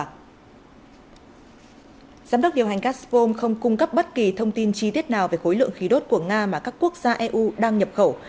giám đốc điều hành gazprom không cung cấp bất kỳ thông tin chi tiết nào về khối lượng khí đốt của nga mà các quốc gia eu đang nhập khẩu